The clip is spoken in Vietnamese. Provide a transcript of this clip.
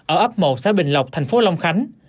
ở ấp một xã bình lộc thành phố long khánh